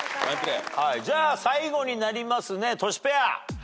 じゃあ最後になりますねトシペア。